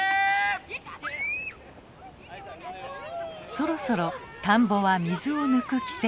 そろそろ田んぼは水を抜く季節。